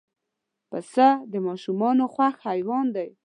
پسه د ماشومانو خوښ حیوان دی.